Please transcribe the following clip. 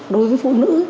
đối với phụ nữ